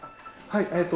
はい。